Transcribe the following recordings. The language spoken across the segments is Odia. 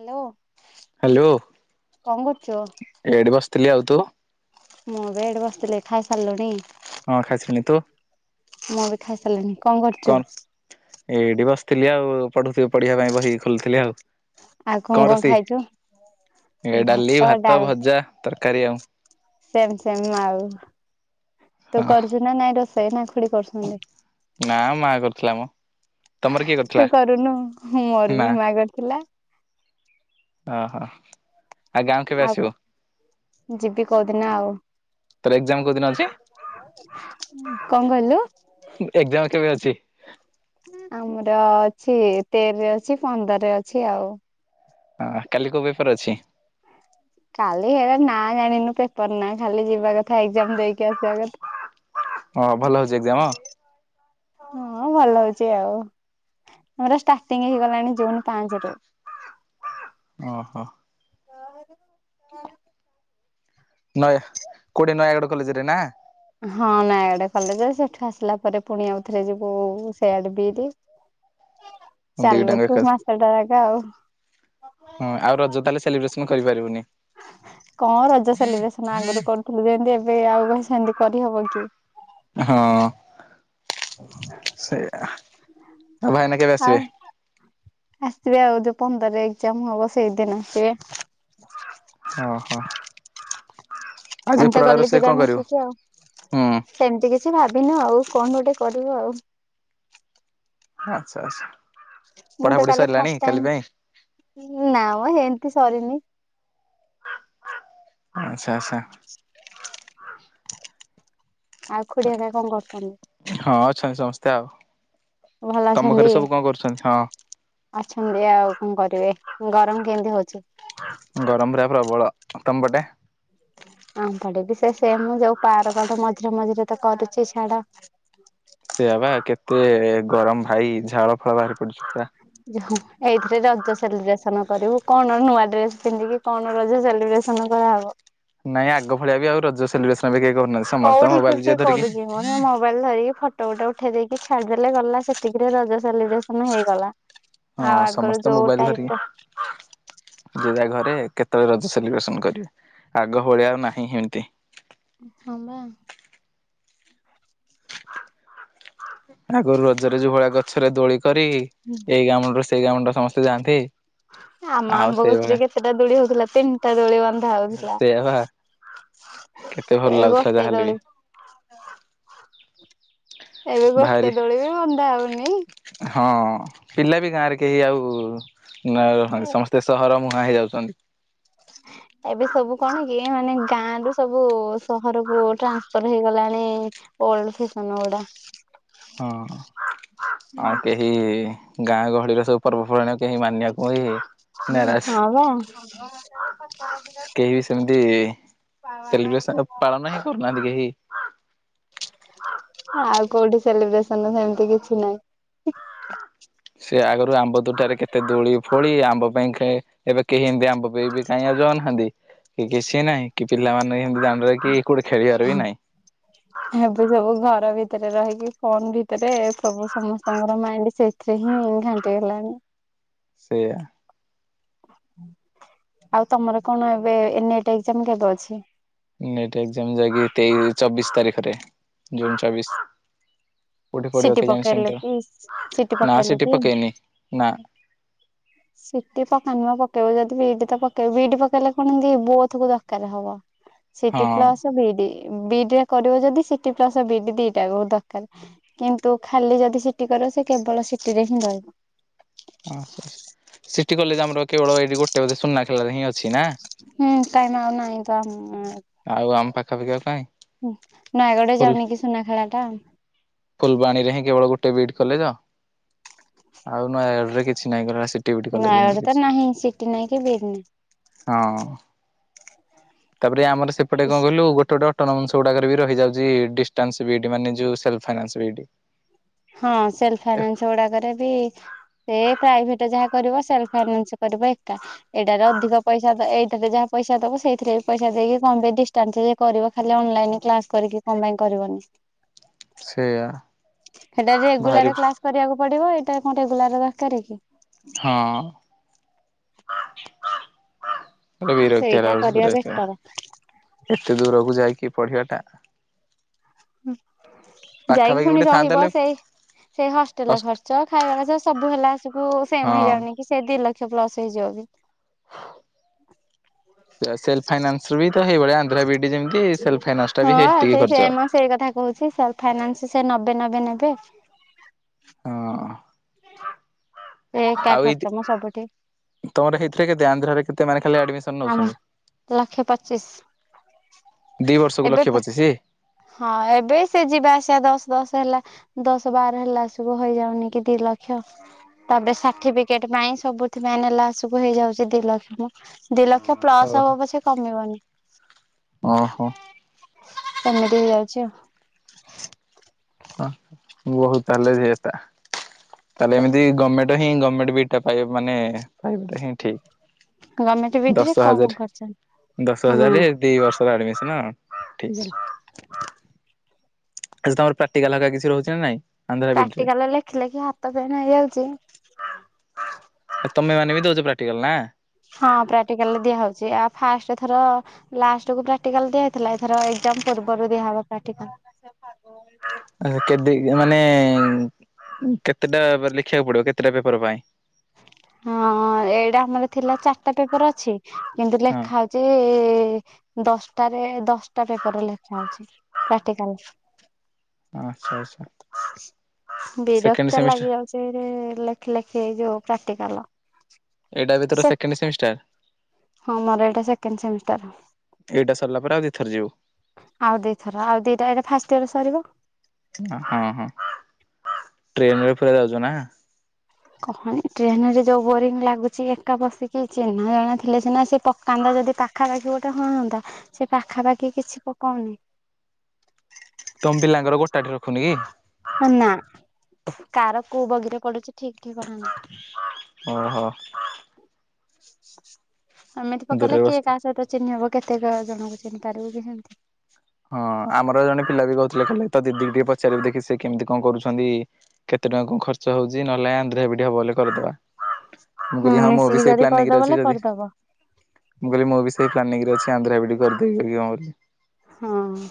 ହାଲୋ। ହାଲୋ ଏଇଠି ବସିଥିଲି ଆଉ ତୁ? ମୁଁ ବି ଏଇଠି ବସିଥିଲି ଖାଇ ସାରିଲୁଣି? ହଁ ଖାଇସାରିଲିଣି ତୁ? ମୁଁ ବି ଖାଇ ସାରିଲିଣି କଣ କରୁଛୁ? ଏଇଠି ବସିଥିଲି ଆଉ ପଢୁ ଥି ପଢ଼ିବା ପାଇଁ ବହି ଖୋଲୁଥିଲି ଆଉ। ଆଉ କ କଣ କଣ ରୋଷେଇ ଖାଇଛୁ ଏ ଡାଲି ଭାତ ଭଜା ତରକାରୀ ଆଉ। ସେମ୍ ସେମ୍ ଆଉ ତୁ ହଁ କରୁଛୁ ନା ନାଇଁ ରୋଷେଇ ନା ଖୁଡ଼ି କରୁଛନ୍ତି? ନା ମା କରୁଥିଲା ମ। ତମର କିଏ ତୁ କରିଥିଲା? କରୁନୁ ହୁଁ ମୋର ବି ମା କରିଥିଲା। ଅ ହ। ଆଉ କହ ଯିବି କୋଉଦିିନ ଆଉ। ତୋର ଏକ୍ଜାମ କୋଉ ଦିନ ଅଛି? କଁ କହିଲୁ? ଏଗ୍ଜାମ କେବେ ଅଛି? ଆମର ଅଛି ତେରରେ ଅଛି ପନ୍ଦରରେ ଅଛି ଆଉ। ଆ କାଲି କୋଉ ପେପର ଅଛି? କାଲି ହେରା ନା ଜାଣିନୁ ପେପର ନା ଖାଲି ଯିବା କଥା ଏଗ୍ଜାମ ଦେଇକି ଆସିବା କଥା। ହଁ ଭଲ ହଉଛି ଏଗ୍ଜାମ? ହଁ ଭଲ ହଉଛି ଆଉ। ମୋର ଷ୍ଟାର୍ଟିଂ ହେଇଗଲାଣି ଜୁନ ପାଞ୍ଚ ରୁ। ଅହ। [inaudible] ନୟା କୋଉଠି ନୟାଗଡ଼ କଲେଜରେ ନା? ହଁ ନୟାଗଡ଼ କଲେଜ ସେଠୁ ଆସିଲା ପରେ ପୁଣି ଆଉଥରେ ଯିବୁ ସେଆଡ଼େ ବି ଡି। [inaudible] ଚାଲିବ [unintelligible] ଏକା ମାସ ଟା ଯାକ ଆଉ। ହଁ ଆଉ ରଜ ତାହଲେ ସେଲିବ୍ରେସନ କରିପାରିବୁନି। କଣ ରଜ ସେଲିବ୍ରେସନ ଆଗରୁ କରୁଥିଲି ଯେଏଁତି ଏବେ ଆଉ କ ସେମିତି କରିହବ କି? ଏ ହଁ। ସେ ଆଉ ଭାଇନା କେବେ ଆଉ ଆସିବେ? ଆସିବେ ଆଉ ଯୋଉ ପନ୍ଦର ଏଗ୍ଜାମ ହବ ସେଇଦିନ ଆସିବେ। ଅହ ଆଜି ଆମେ ତ ଉପରବେଳା ଗଲେ ରୋଷେଇ ଯିବା କଣ କରିବୁ ମିଶିକି ଆଉ। ହୁଁ। ସେମିତି କିଛି ଭାବିନୁ ଆଉ କଣ ଗୋଟେ କରିବୁ ଆଉ। ଆଚ୍ଛା ଆଚ୍ଛା। ମୁଁ ତ ପଢ଼ାପଢ଼ି କାଲି ସରିଲାଣି ଫାଷ୍ଟ କାଲି ଟାଇମ୍ ପାଇଁ? ନା ମ ଏମତି ସରିନି। ଆଚ୍ଛା ଆଚ୍ଛା। [inaudible] ଆଉ। ଖୁଡି ହେରିକା କଣ କରୁଛନ୍ତି? ହଁ ଅଛନ୍ତି ସମସ୍ତେ ଆଉ। ଭଲ ତମ ଅଛନ୍ତି? ଘରେ ସବୁ କଣ କରୁଛନ୍ତି ହଁ। ଅଛନ୍ତି ଆଉ କଣ କରିବେ ଗରମ କେମିତି ହଉଛି। ଗରମରେ ପ୍ରବଳ ତମପଟେ। ଆଁ ଏବେ ବି ସେ ସେ ମୁ ଯୋଉ ପାର୍କ କଡ ମଝିରେ ମଝିରେ ତ କରୁଛି ଛାଡ। ସେୟା ବା କେତେ ଗରମ ଭାଇ ଝାଳ ଫାଳ ବାହାରି ପଡୁଛି ତା ଝାଳ ଏଇଥିରେ ରଜ ସେଲିବ୍ରେସନ କରିବୁ କଣ ନୂଆ ଡ୍ରେସ ପିନ୍ଧିକି। କଣ ରଜ ସେଲିବ୍ରେସନ କରାହେବ। ନାଇଁ ଆଗ ଭଳିଆ ବି ଆଉ ରଜ ସେଲିବ୍ରେସନ ବି କେହି କରୁନାହାନ୍ତି। ସମସ୍ତେ କୋଉଠି କିଏ ମୋବାଇଲ ଯିଏ କିଏ ଧରିକି କରୁଚିମ ମୋବାଇଲ ଧରିକି ଫ ଫଟୋ ଗୋଟେ ଉଠେଇ ଦେଇକି ଛାଡିଦେଲେ ଗଲା ସେତିକିରେ ରଜ ସେଲିବ୍ରେସନ ହେଇଗଲା। ହଁ ଆଉ ଆଗରୁ ସମସ୍ତେ ଯୋଉ ମୋବାଇଲ ଧରିକି ଟାଇପର ଯିଏ ଯାହା ଘରେ କେତେବେଳେ ରଜ ସେଲିବ୍ରେସନ କରିବେ ଆଗ ଭଳିଆ ଆଉ ନାହିଁ ହେନ୍ତୀ। ହଁ ବା। ଆଗରୁ ରଜରେ ଯଉ ଭଳିଆ ଗଛରେ ଦୋଳି କରି ଏଇ ଗାମରୁ ସେ ସେଇ ଗାଁ ମୁଣ୍ଡ ସମସ୍ତେ ଯାଆନ୍ତି। ଆମ ଆଉ ଆମ୍ବଗଛରେ ସେଇଭଳିଆ କେତେଟା ଦୋଳି ହଉଥିଲା ତିନିଟା ଦୋଳି ବନ୍ଧା ହଉଥିଲା। ସେଇଆ ବା କେତେ ଭଲ ଏ ଲାଗୁଥିଲା ଗୋଟେ ଯାହାହେଲେ ବି ଦୋଳି। ଏବେ ଭାରି ଗୋଟେ ଦୋଳି ବି ବନ୍ଧା ହଉନି। ହଁ ପିଲା ବି ଗାଁରେ କେହି ଆଉ ନାହା ଏ ସମସ୍ତେ। ସେ ସହର ମୁହାଁ ହେଇଯାଉଛନ୍ତି। ଏବେ ସବୁ କଣ କି ମାନେ ଗାଁରୁ ସବୁ ସହରକୁ ଟ୍ରାନ୍ସଫର ହେଇଗଲାଣି। ଓଲ୍ଡ ଫେସନ ଗୁଡା। ହଁ ଆଉ କେହି ଗାଁ ଗହଳିର ସବୁ ପର୍ବପର୍ବାଣି କେହି ମାନିବାକୁ ହିଁ ହୁଁ ନାରାଜ ଆଉ କଣ। କେହି ବି ସେମିତି ସେଲିବ୍ରେସନ ପାଳନ ହିଁ କରୁନାହାନ୍ତି କେହି। ଆଉ କୋଉଠି ସେଲିବ୍ରେସନ ସେମିତି କିଛି ନାହିଁ। ସେ ଆଗରୁ ଆମ୍ବ ତୋଟାରେ କେତେ ଦୋଳି ଫୋଳି ଆମ୍ବ ପାଇଁ ଖେଁ ଏବେ କେହି ଏମିତି ଆମ୍ ଆମ୍ବ ପେଇ କେ ଆଉଚନ୍ତି ନାହାନ୍ତି କି କିଛି ନାହିଁ। କି ପିଲାମାନେ ହେମ୍ ତି ଦାଣ୍ଡରେ କି କୋଉଠୀ ଖେଳିବାର ବି ନାଇଁ। ଏବେ ସବୁ ଘର ଭିତରେ ରହିକି ଫୋନ ଭିତରେ ସବୁ ସମସ୍ତଙ୍କର ମାଇଣ୍ଡ ସେ ସେ ହିଁ ଘାଣ୍ଟି ହେଲାଣି। ସେୟା। ଆଉ ତମର କଣ ଏବେ ଏନେ ଏଟ ଏକ୍ଜାମ କେବେ ଅଛି। ଏନେଟ୍ ଏକ୍ଜାମ ଯାଇକି ତେଇଶ ଚବିଶ ତାରିଖରେ ଜୁନ ଚବିଶ। କୋଉଠି ପଡିବ ସିଟି କେଜାଣି ପକେଇଲୁ ସେଣ୍ଟର୍ କି ସିଟି ନା ପକେଇଲୁ ସେଠି କି? ପକେଇନି ନା। ସିଟି ପକା ନୁଆ ପକେଇବ ଯଦି ବି ଡି ତ ପକେଇବ ବି ଡି ପକେଇଲେ କଣ କି ବୋଥକୁ ଦରକାର ହବ। ସିଟି ହଁ ପ୍ଲସ ବିଡି ବିଡିରେ କରିବ ଯଦି ସିଟି ପ୍ଲସ ବି ଡି ଦିଟା ଯାକ ଦରକାର। କିନ୍ତୁ ଖାଲି ଯଦି ସିଟି କର ସେ କେବଳ ସିଟିରେ ହିଁ ରହିବ। ସିଟି କଲେଜ ଆମର କେବଳ ଏଇଠି ଗୋଟେ ବୋଧେ ସୁନା ଖେଳାରେ ହିଁ ଅଛି ନା। ହୁଁ କାଇଁମ ଆଉ ନାହିଁ ତ ଆମ୍ ଆଉ ଆମ ପାଖାପାଖି ଆଉ କାଇଁ ନୟାଗଡରେ ଫୁଲ ଯାଉନି କି ସୁନାଖେଳାଟା। ଫୁଲବାଣୀରେ ହିଁ କେବଳ ଗୋଟେ ବିଡ୍ କଲେଜ? ଆଉ ନୟାଗଡରେ କିଛି ନାଇଁ ଗଲା ସେ ନୟାଗଡ଼ରେ ତ ନାହିଁ ସିଟି ନାହିଁ କି ବିଡ୍ ନାହିଁ। ହଁ ତାପରେ ଆମର ସେପଟେ କଣ କହିଲୁ ଗୋଟେ ଗୋଟେ ଅଟୋନମସ ଗୁଡାକରେ ବି ରହିଯାଉଛି ଡିଷ୍ଟାନ୍ସ ବିଡ୍ ମାନେ ଯୋଉ ସେଲ୍ଫଫାଇନାନ୍ସ ବିଡି। ହଁ ସେଲ୍ ଫାଇନାନ୍ସ ଗୁଡାକରେ ବି ହେ ପ୍ରାଇଭେଟ ଯାହା କରିବ ସେଲ୍ ଫାଇନାନ୍ସ କରିବ ଏକା। ଏଇଟାରେ ଅଧିକ ପଇସା ଏଇଟାରେ ଯାହା ପଇସା ଦବ ସେଇଥିରେ ବି ପଇସା ଦେଇକି କମ ବି ଡିଷ୍ଟାନ୍ସ ରେ କରିବ ଖାଲି ଅନଲାଇନ କ୍ଲାସ କରିକି କଣ ପାଇଁ କରିବନି? ସେୟା। ସେଟା ରେଗୁଲାର କ୍ଲାସ କରିବାକୁ ପଡିବ ଏଇଟା କଣ ରେଗୁଲାର ଦରକାର କି? ହଁ। ବିରକ୍ତିଆ ସେଇଟା ଲାଗୁଚି କରିବା ପୁରା ବେଟର। ସେତିକାବେଳୁ। ଏତେ ଦୂରକୁ ଯାଇକି ପଢିବା ଟା ହୁଁ ଯାଇକି ପାଖାପାଖି ଗୋଟେ ପୁଣି ଥାନ୍ତା ରହିବ ହେଲେ ସେଇ ସେଇ ହଷ୍ଟେଲ ହଷ୍ଟ୍ ଖର୍ଚ୍ଚ ଖାଇବା ଖର୍ଚ୍ଚ ସବୁ ହେଲାସୁକୁ ସେମ ହଁ ହେଇଯାଉନି କି? କି ସେ ଦି ଲକ୍ଷ ପ୍ଲସ ହେଇଯିବ ବି। ସେ ସେଲ ଫାଇନାନ୍ସରୁ ବି ତ ସେହିଭଳିଆ ଆନ୍ଧ୍ରାବିଡି ଯେମିତି ସେଲ୍ ଫାଇନାନ୍ସ ଟା ବି ହଁ ହେତିକି ସେଇ ଖର୍ଚ୍ଚ। ସେମ ସେଇ କଥା କହୁଛି ସେଲ୍ ଫାଇନାନ୍ସ ସେ ନବେ ନବେ ନେବେ। ହଁ। ଏକା ଆଉ ଏଇ ଖର୍ଚ୍ଚ ମ ସବୁଠି। ତମର ହେଇଥିରେ କେତେ ଆନ୍ଧ୍ରାରେ କେତେ ମାର୍କ ହେଲେ ଆଡମିସନ ଆମ ନଉଛନ୍ତି? ଲକ୍ଷେ ପଚିଶ୍। ଦି ବର୍ଷକୁ ଲକ୍ଷେ ପଚିଶି? ହଁ ଏବେ ସେ ଯିବା ଆସିବା ଦଶ୍ ଦଶ୍ ହେଲା ଦଶ ବାର ହେଲା ସବୁ ହେଇଯାଉନି କି ଦି ଲକ୍ଷ। ତାପରେ ସାର୍ଟିଫିକେଟ ପାଇଁ ସବୁଥିପାଇଁ ନେଲାସୁକୁ ହେଇଯାଉଛି ଦି ଲକ୍ଷ। ଦି ଲକ୍ଷ ପ୍ଲସ ଓହୋ ହବ ପଛେ କମିବନି। ଓହୋ ସେମିତି ହେଇଯାଉଛି ଆଉ। ହ ବହୁ ତାହେଲେ ସେ ତା ତାହେଲେ ଏମିତି ଗମେଣ୍ଟ ହିଁ ଗଭର୍ଣ୍ଣମେଣ୍ଟ ବିଡ୍ଟା ପାଇବାକୁ ମାନେ ପାଇବାଟା ହିଁ ଗମେଣ୍ଟ ଠିକ। ବିଡିରେ ଦଶ କମ ହଜାର ଖର୍ଚ୍ଚ ଦଶ ହଁ ହଜାର ଦି ବର୍ଷ ଆଡମିସନ ଠିକ [inaudible] ଆଛା ତମର ପ୍ରାକ୍ଟିକାଲ୍ ହରୀକା କିଛି ରହୁଛି ନା ନାହିଁ? ପ୍ରାକ୍ଟିକାଲେ ଲେଖି ଲେଖି ହାତ ପେନ୍ ହେଇଯାଉଛି। ତମେ ମାନେ ବି ଦଉଛ ପ୍ରାକ୍ଟିକାଲ ନା? ହଁ ପ୍ରାକ୍ଟିକାଲରେ ଦିଆ ହଉଛି ଆଉ ଫାଷ୍ଟ ଥର ଲାଷ୍ଟକୁ ପ୍ରାକଟିକାଲ ଦିଆହେଇଥିଲା ଏଥରକ ଏକଜାମ୍ ପୂର୍ବରୁ ଦିଆହବ ପ୍ରାକ୍ଟିକାଲ୍। ଆ କେତ୍ ଦି ମାନେ କେତେଟା ଲେଖିବାକୁ ପଡିବ କେତେଟା ପେପର ପାଇଁ? ହଁ ଏଇଟା ଆମର ଥିଲା ଚାରିଟା ପେପର ଅଛି କିନ୍ତୁ ହଁ ଲେଖା ହଉଛି ଇ ଇ ଦଶଟାରେ ଦଶଟା ପେପରରେ ଲେଖା ହଉଛି ପ୍ରାକ୍ଟିକାଲ୍। ଆଚ୍ଛା ଆଚ୍ଛା ସେକେଣ୍ଡ ବିରକ୍ତିଆ ସେମିଷ୍ଟାର ଲାଗି ଯାଉଛି। ଫେରେ ଲେଖ ଲେଖି ଏଇ ଯୋଉ ପ୍ରାକ୍ଟିକାଲ। ଏଇଟା ବି ତୋର ସେ ସେକେଣ୍ଡ ସେମିଷ୍ଟାର। ହଁ ମୋର ଏଇଟା ସେକେଣ୍ଡ ସେମିଷ୍ଟାର। ଏଇଟା ସରିଲା ପରେ ଆଉ ଦି ଥର ଯିବୁ? ଆଉ ଦି ଥର ଆଉ ଦିଟା ଏଇଟା ଫାଷ୍ଟ ଇୟର ସରିବ। ହଁ ହଁ ଟ୍ରେନରେ ଫେରେ ଯାଉଛ ନା? କହନି ଟ୍ରେନ ରେ ଯୋଉ ବୋରିଂ ଲାଗୁଛି ଏକା ବସିଛି ଚିହ୍ନା ଜଣା ଥିଲେ ସିହନା ସେ ପକାନ୍ଦ ଯଦି ପା ପାଖାପାଖି ଗୋଟେ ହୁଅନ୍ତା ସେ ପାଖାପାଖି କିଛି କହୁନି। ତମ ପିଲାଙ୍କର ଗୋଟା ଟି ରଖନ୍ତି ନି କି। ହ ନା କାର କୋଉ ବଗିରେ ପଡୁଛି ଠିକ ଠିକଣା ନାହିଁ ଓହୋ ଏମିତି ପକେଇଲେ ଦୂରରେ କିଏ ବସିଥା କାହା ସହିତ ଚିହ୍ନି ହବ କେତେକ ଜଣଙ୍କୁ ଚିହ୍ନି ପାରିବ କି ସେମିତି ହଁ ଆମର ଜଣେ ପିଲା ବି କହୁଥିଲେ ଖାଲି ତ ଦିଦି ଟିକେ ପଚାରିବେ ଦେଖି ସେ କେମିତି କଣ କରୁଛନ୍ତି। କେତେ ଟଙ୍କା କଣ ଖର୍ଚ୍ଚ ହଉଛି ନହେଲେ ଆନ୍ଧ୍ରା ବିିଇଡି ହବ ବୋଲି କରିଦବା। ମୁଁ ହୁଁ କହିଲି ହଁ ମୁଁ ମିଶିକି ବି ସେଇ ଯଦି କରିଦବ ପ୍ଲାନରେ ବୋଲେ ଅଛି ଯଦି କରିଦବ ମୁଁ କହିଲି ମୁଁ ବି ସେଇ ପ୍ଲାନିଙ୍ଗ ରେ ଅଛି ଆନ୍ଧ୍ରା ବିଇଡି କରିଦେବି ବୋଲି ହୁଁ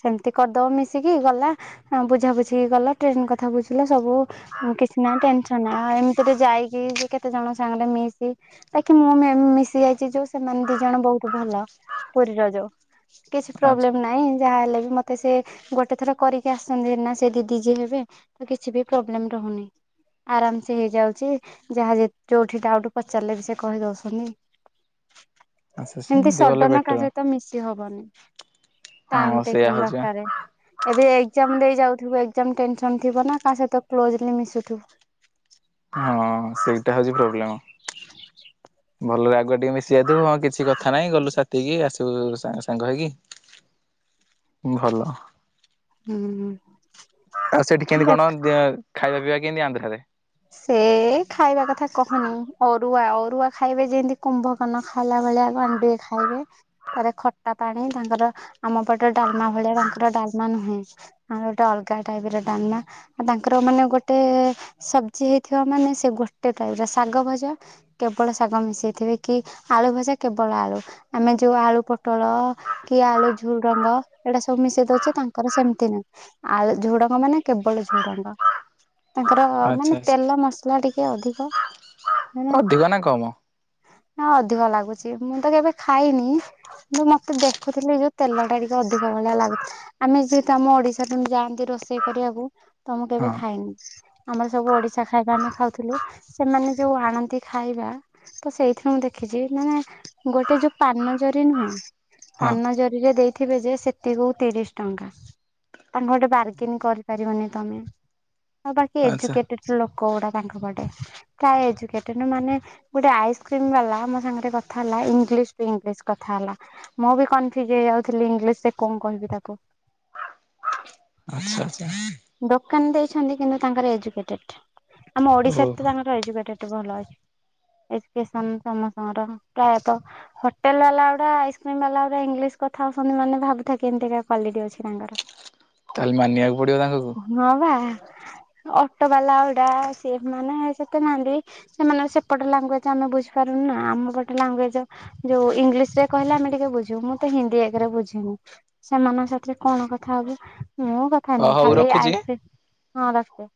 ସେମିତି କରିଦବ ମିଶିକି ଗଲା ବୁଝା ବୁଝିକି ଗଲା ଟ୍ରେନ କଥା ବୁଝିଲା ସବୁ। କିଛି ନା ଟେନସନ ଏମିତିରେ ଯାଇକି କେତେ ଜଣ ସାଙ୍ଗରେ ମିଶି ବାକି ମୁଁ ମିଶି ଯାଇଛି ଯୋଉ ସେମାନେ ଦି ଜଣ ବହୁତ ଭଲ ପୁରୀର ଯୋଉ କିଛି ଆଚ୍ଛା ପ୍ରୋବ୍ଲେମ ନାଇଁ ଯାହାହଲେ ବି ମତେ ସେ ଗୋଟେ ଥର କରିକି ଆସନ୍ତି ନା ସେ ଦିଦି ଯିଏ ହେବେ। ତ କିଛି ବି ପ୍ରୋବ୍ଲେମ ରହୁନି। ଆରାମ ସେ ହେଇଯାଉଛି ଯାହା ଯେ ଯୋଉଠି ଡାଉଟ୍ ପଚାରିଲେ ବି ସେ କହି ଦଉଛନ୍ତି। ଆଚ୍ଛା ଏମିତି ସେମିତି ଗଲେ ସଡ଼ନ ବେଟର କାହା ସହିତ ମିଶି ହବନି। ଟାଇମ୍ ହଁ ସେଇୟା ଟେକିଂ ହଉଛି ବା ଦରକାରେ। ଏବେ ଏକ୍ଜାମ ଦେଇ ଯାଉଥିବୁ ଏକଜାମ୍ ଟେନସନ ଥିବ ନା କା ସହିତ କ୍ଲୋଜଲି ମିଶୁଥିବୁ। ହଁ ସେଇଟା ହଉଛି ପ୍ରୋବ୍ଲେମ ଭଲରେ ଆଗୁଆ ଟିକେ ମିଶି ଯାଇଥିବ ହଁ କିଛି କଥା ନାହିଁ ଗଲୁ ସାଥି କି ଆସି ସବୁ ସାଙ୍ଗ ସାଙ୍ଗ ହେଇକି ଭଲ ହୁଁ ଆଉ ସେଠି କେମିତି କଣ ଖାଇବା ପିଇବା କେମିତି ଆନ୍ଧ୍ରାରେ। ସେ ଏ ଖାଇବା କଥା କହନି ଅରୁଆ ଅରୁଆ ଖାଇବେ ଯେମିତି କୁମ୍ଭକର୍ଣ୍ଣ ଖାଇଲା ଭଳିଆ ଖଣ୍ଡେ ଖାଇବେ ତା ଖଟା ପାଣି ତାଙ୍କର ଆମ ପଟ ଡାଲମା ଭଳିଆ ତାଙ୍କର ଡାଲମା ନୁହେଁ। ଆ ଗୋଟେ ଅଲଗା ଟାଇପ ର ଡାଲମା ଆଉ ତାଙ୍କର ମାନେ ଗୋଟେ ସବ ପାଚି ହେଇଥିବା ମାନେ ସେ ଗୋଟେ ଟାଇପର ଶାଗ ଭଜା କେବଳ ଶାଗ ମିଶେଇଥିବେ କି ଆଳୁ ଭଜା କେବଳ ଆଳୁ ଆମେ ଯୋଉ ଆଳୁ ପୋଟଳ କି ଆଳୁ ଝୁରଙ୍ଗ ଏଇଟା ସବୁ ମିଶେଇ ଦଉଛେ ତାଙ୍କର ସେମିତି ନାହିଁ। ଆ ଝୁଡଙ୍ଗ ମାନେ କେବଳ ଝୁଡ଼ଙ୍ଗ। ତାଙ୍କର ଆଚ୍ଛା ମାନେ ଆଚ୍ଛା ତେଲ ମସଲା ଟିକେ ଅଧିକ। ଅଧିକ ନା କମ। ହଁ ଅଧିକ ଲାଗୁଛି ମୁଁ ତ କେବେ ଖାଇନି। ମୁଁ ମତେ ଦେଖୁଥିଲି ଯୋଉ ତେଲ ଟା ଟିକେ ଅଧିକ ଭଳିଆ ଲାଗୁଥିଲା। ଆମେ ଯେହେତୁ ଆମ ଓଡ଼ିଶାରେ ଯାଆନ୍ତି ରୋଷେଇ କରିବାକୁ ତ ମୁଁ ହଁ କେବେ ଖାଇନି। ଆମର ସବୁ ଓଡ଼ିଶା ଖାଇବା ଆମେ ଖାଉଥିଲୁ ସେମାନେ ଯୋଉ ଆଣନ୍ତି ଖାଇବା। ତ ସେଇଥିରୁ ମୁଁ ଦେଖିଛି ମାନେ ଗୋଟେ ଯୋଉ ପାନ ଜରି ନୁହେଁ ହଁ ପାନ ଜରିରେ ଯେ ଦେଇଥିବେ ଯେ ସେତିକୁ ତିରିଶ ଟଙ୍କା। ତା ଗୋଟେ ବାର୍ଗେନ କରିପାରିବନି ତମେ। ବାକି ଆଚ୍ଛା ଏଜୁକେଟେଡ୍ ଲୋକ ଗୁଡ଼ା ତାଙ୍କ ପଟେ ପ୍ରାୟ ଏଜୁକେଟେଡ୍ ମାନେ ଗୋଟେ ଆଇସ୍କ୍ରିମ ବାଲା ମୋ ସାଙ୍ଗରେ କଥା ହେଲା ଇଂଲିଶ ଟୁ ଇଂଲିଶ କଥା ହେଲା ମୁଁ ବି କନଫ୍ୟୁଜ ହେଇଯାଉଥିଲି ଇଂଲିଶ ରେ କଣ କହିବି ତାକୁ। [unintelligible] ଦୋକାନ ଦେଇଛନ୍ତି କିନ୍ତୁ ତାଙ୍କର ଏଜୁକେଟେଡ ଆମ ଓହୋ ଓଡ଼ିଶାରେ ତ ତାଙ୍କର ଏଜୁକେଟେଡ ଭଲ ଅଛି। ଏଯୁକେସନ ସମସ୍ତଙ୍କର ପ୍ରାୟତଃ। ହୋଟେଲ ବାଲା ଗୁଡ଼ା ଆଇସ୍କ୍ରିମ ବାଲା ଗୁଡ଼ା ଇଂଲିଶ କଥା ହଉଛନ୍ତି ମାନେ ଭାବୁଥା କିମିତିକା କ୍ୱାଲିଟୀ ଅଛି ତାଙ୍କର। ତାହେଲେ ମାନିବାକୁ ପଡ଼ିବ ତାଙ୍କୁ। ହଁ ବା ଅଟୋ ବାଲା ଗୁଡା ସେମାନେ ସେତେ ନାନ୍ତି ସେମାନେ ସେପଟେ ଲାଙ୍ଗୁଏଜ ଆମେ ବୁଝିପାରୁନୁ ନା ଆମ ପଟେ ଲାଙ୍ଗୁଏଜ ଯୋଉ ଇଂଲିଶ ରେ କହିଲା ଆମେ ଟିକେ ବୁଝିବୁ ମୁଁ ତ ହିନ୍ଦୀ ଆଗରେ ବୁଝିନି ସେମାନଙ୍କ ସାଥିରେ କଣ କଥା ହେବି ମୁଁ କଥା ହ ନି ହଉ ଖାଲି ରଖୁଛି। ଆଇସ୍କ୍ରି ହଁ ରଖେ